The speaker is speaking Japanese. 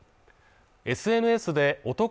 ＳＮＳで男